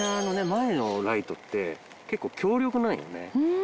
前のライトって結構強力なんよね。